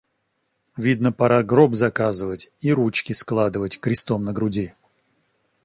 Видно, пора гроб заказывать и ручки складывать крестом на груди.